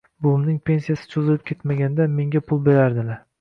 Buvimning pensiyasi cho‘zilib ketmaganda, menga pul berardilar